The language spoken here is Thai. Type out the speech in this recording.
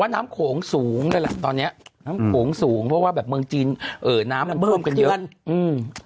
น้ำโขงสูงเพราะว่าแบบเมืองจีนเอ่อน้ำมันเพิ่มกันเยอะ